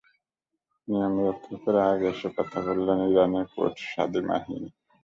নিয়ম রক্ষা করে আগে এসে কথা বললেন ইরানের কোচ সাদি মাহিনি।